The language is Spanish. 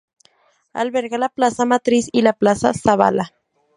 Alberga la Plaza Matriz y la Plaza Zabala.